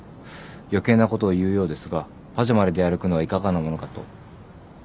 余計なことを言うようですがパジャマで出歩くのはいかがなものかと。